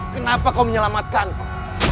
kenapa kau menyelamatkan ku